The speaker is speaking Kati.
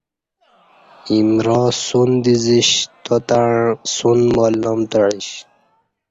ایمرا سون دزیش تاتہ سون ما ل نام تعیش